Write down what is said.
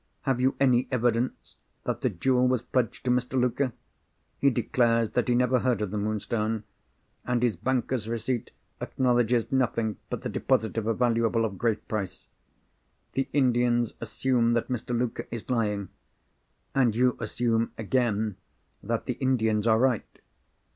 Have you any evidence that the jewel was pledged to Mr. Luker? He declares that he never heard of the Moonstone; and his bankers' receipt acknowledges nothing but the deposit of a valuable of great price. The Indians assume that Mr. Luker is lying—and you assume again that the Indians are right.